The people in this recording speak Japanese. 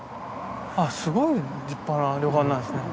あっすごい立派な旅館なんですね。